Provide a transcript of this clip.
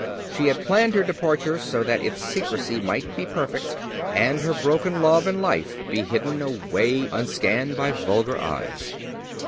She had planned her departure so that its secrecy might be perfect, and her broken love and life be hidden away unscanned by vulgar eyes.